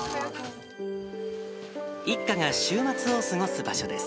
一家が週末を過ごす場所です。